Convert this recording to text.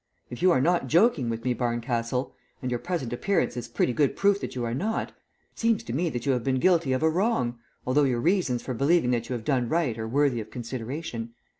If you are not joking with me, Barncastle, and your present appearance is pretty good proof that you are not, it seems to me that you have been guilty of a wrong, although your reasons for believing that you have done right are worthy of consideration.